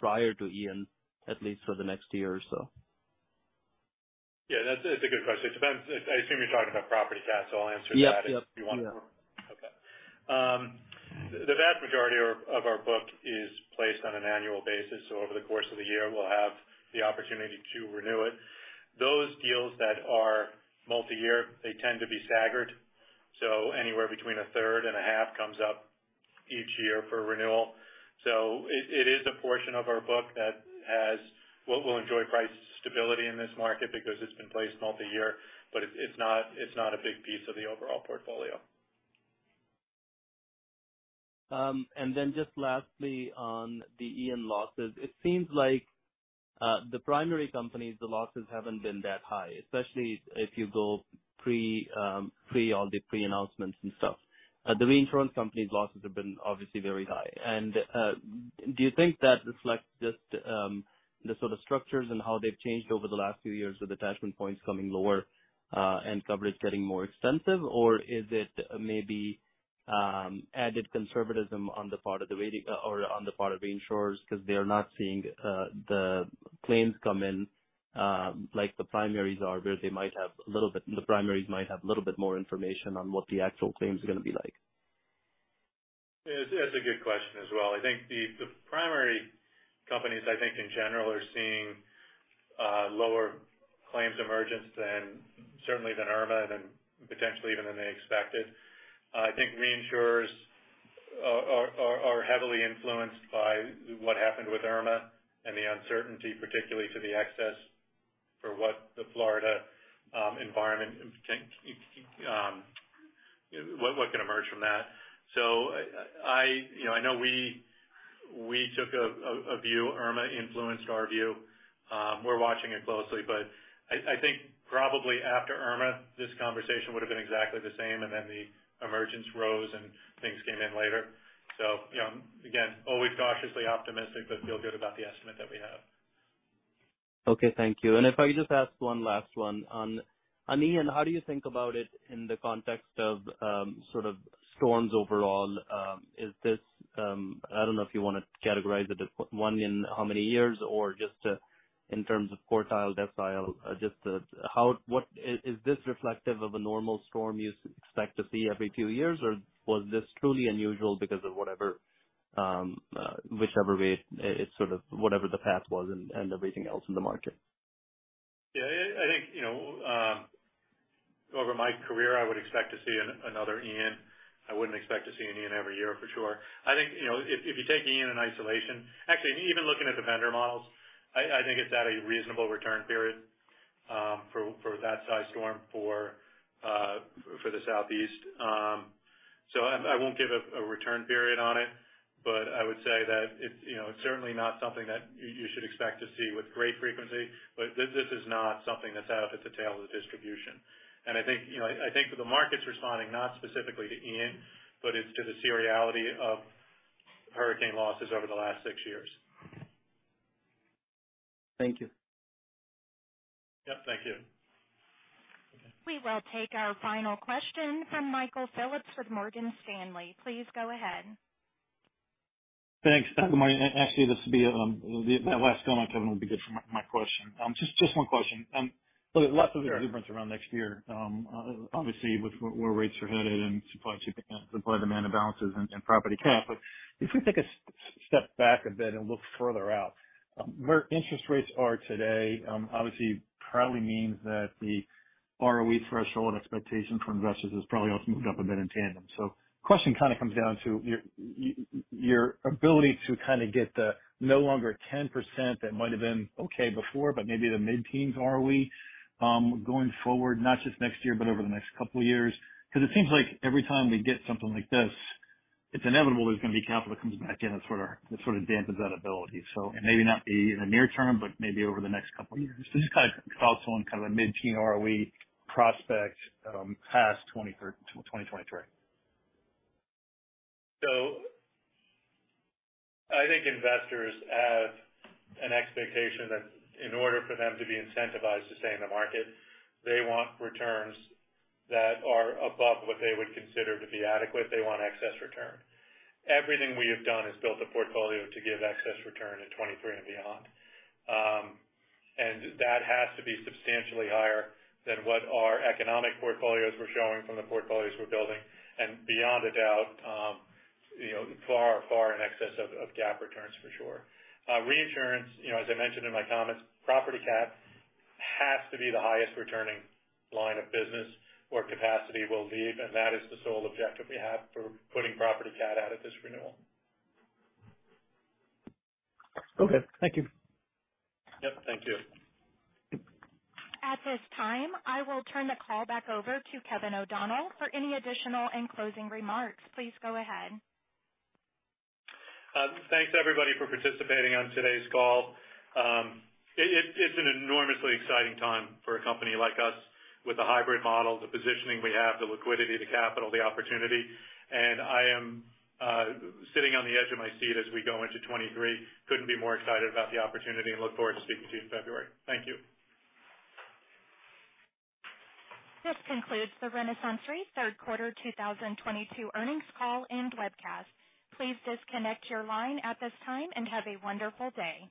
prior to Ian, at least for the next year or so? Yeah, that's a good question. It depends. I assume you're talking about property cat, so I'll answer that. Yep, yep If you want the vast majority of our book is placed on an annual basis. Over the course of the year, we'll have the opportunity to renew it. Those deals that are multi-year, they tend to be staggered, so anywhere between a third and a half comes up each year for renewal. It is a portion of our book. Well, we'll enjoy price stability in this market because it's been placed multi-year, but it's not a big piece of the overall portfolio. Just lastly on the Ian losses. It seems like the primary companies, the losses haven't been that high, especially if you go pre all the pre-announcements and stuff. The reinsurance company's losses have been obviously very high. Do you think that reflects just the sort of structures and how they've changed over the last few years with attachment points coming lower and coverage getting more extensive? Or is it maybe added conservatism on the part of the re or on the part of reinsurers 'cause they're not seeing the claims come in like the primaries are, where the primaries might have a little bit more information on what the actual claims are gonna be like? Yeah. That's a good question as well. I think the primary companies, I think in general are seeing lower claims emergence than certainly than Irma and potentially even than they expected. I think reinsurers are heavily influenced by what happened with Irma and the uncertainty, particularly to the excess for what the Florida environment can, what could emerge from that. I, you know, I know we took a view. Irma influenced our view. We're watching it closely, but I think probably after Irma, this conversation would've been exactly the same, and then the emergence rose and things came in later. You know, again, always cautiously optimistic but feel good about the estimate that we have. Okay. Thank you. If I could just ask one last one. On Ian, how do you think about it in the context of sort of storms overall? Is this, I don't know if you wanna categorize it as one in how many years or just in terms of quartile, decile. Is this reflective of a normal storm you expect to see every few years? Or was this truly unusual because of whatever, whichever way it sort of whatever the path was and everything else in the market? Yeah. I think, you know, over my career, I would expect to see another Ian. I wouldn't expect to see an Ian every year for sure. I think, you know, if you take Ian in isolation. Actually, even looking at the vendor models, I think it's at a reasonable return period for that size storm for the Southeast. So I won't give a return period on it, but I would say that it's, you know, it's certainly not something that you should expect to see with great frequency. This is not something that's out at the tail of the distribution. I think, you know, I think the market's responding, not specifically to Ian, but it's to the seriality of Hurricane losses over the last six years. Thank you. Yep. Thank you. We will take our final question from Michael Phillips with Morgan Stanley. Please go ahead. Thanks. Good morning. Actually, this will be the last one, Kevin, will be good for my question. Just one question. Lots of the difference around next year. Obviously with where rates are headed and supply chain, supply and demand imbalances and property cat. If we take a step back a bit and look further out, where interest rates are today, obviously probably means that the ROE threshold and expectation for investors has probably also moved up a bit in tandem. Question kind of comes down to your ability to kind of get the no longer 10% that might have been okay before, but maybe the mid-teens ROE going forward, not just next year but over the next couple years. It seems like every time we get something like this, it's inevitable there's gonna be capital that comes back in that sort of dampens that ability. It may not be in the near term, but maybe over the next couple years. Just kind of thoughts on kind of a mid-teen ROE prospect, past 2023. I think investors have an expectation that in order for them to be incentivized to stay in the market, they want returns that are above what they would consider to be adequate. They want excess return. Everything we have done has built a portfolio to give excess return in 2023 and beyond. That has to be substantially higher than what our economic portfolios were showing from the portfolios we're building, and beyond a doubt, you know, far, far in excess of GAAP returns for sure. Reinsurance, you know, as I mentioned in my comments, property cat has to be the highest returning line of business or capacity we'll leave, and that is the sole objective we have for putting property cat out at this renewal. Okay. Thank you. Yep. Thank you. At this time, I will turn the call back over to Kevin O'Donnell for any additional and closing remarks. Please go ahead. Thanks everybody for participating on today's call. It's an enormously exciting time for a company like us with a hybrid model, the positioning we have, the liquidity, the capital, the opportunity. I am sitting on the edge of my seat as we go into 2023. Couldn't be more excited about the opportunity and look forward to speaking to you in February. Thank you. This concludes the RenaissanceRe third quarter 2022 earnings call and webcast. Please disconnect your line at this time and have a wonderful day.